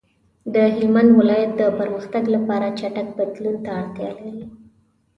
د هلمند ولایت د پرمختګ لپاره چټک بدلون ته اړتیا لري.